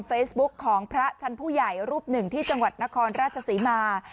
เฟซบุ๊คของพระชั้นผู้ใหญ่รูปหนึ่งที่จังหวัดนครราชศรีมา